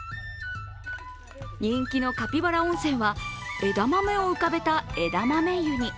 人気のカピバラ温泉は、枝豆を浮かべた枝豆湯に。